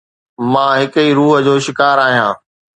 مان هڪ ئي روح جو شڪار آهيان